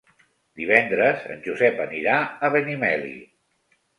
Divendres en Josep anirà a Benimeli.